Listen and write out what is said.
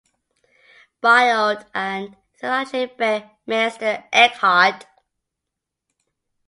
Bild und Theologie bei Meister Eckhart"".